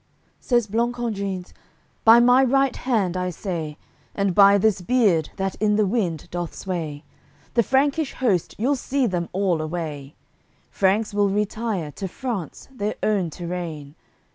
AOI. IV Says Blancandrins: "By my right hand, I say, And by this beard, that in the wind doth sway, The Frankish host you'll see them all away; Franks will retire to France their own terrain.